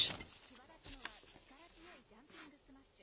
際立つのは、力強いジャンピングスマッシュ。